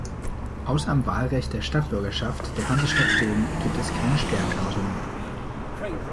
Außer im Wahlrecht der Stadtbürgerschaft der Hansestadt Bremen gibt es keine Sperrklauseln mehr.